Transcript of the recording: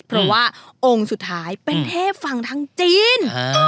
เพราะว่าองค์สุดท้ายเป็นเทพฝั่งทางจีน